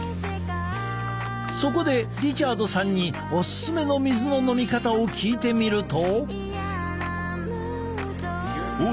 そこでリチャードさんにオススメの水の飲み方を聞いてみると。